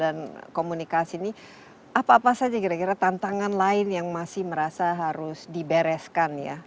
dan komunikasi ini apa apa saja kira kira tantangan lain yang masih merasa harus dibereskan ya